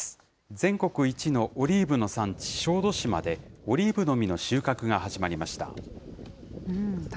全国一のオリーブの産地、小豆島で、オリーブの実の収穫が始まりました。